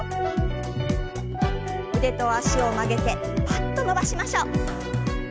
腕と脚を曲げてパッと伸ばしましょう。